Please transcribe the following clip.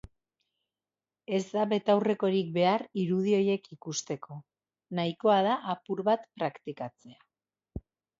Ez da betaurrekorik behar irudi horiek ikusteko, nahikoa da apur bat praktikatzea.